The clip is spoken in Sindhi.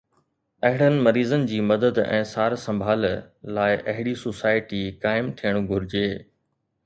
اهڙن مريضن جي مدد ۽ سار سنڀال لاءِ اهڙي سوسائٽي قائم ٿيڻ گهرجي